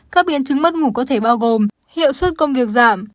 các biến chứng mất ngủ có thể bao gồm hiệu suất công việc giảm